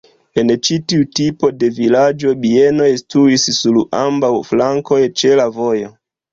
En ĉi tiu tipo de vilaĝo bienoj situis sur ambaŭ flankoj ĉe la vojo.